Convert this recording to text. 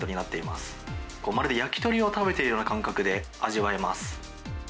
まるで焼き鳥を食べているような感覚で味わえます。